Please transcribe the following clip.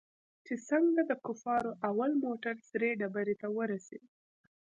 چې څنگه د کفارو اول موټر سرې ډبرې ته ورسېد.